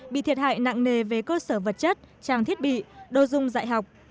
bị thiệt hại nặng nề về cơ sở vật chất trang thiết bị đồ dung dạy học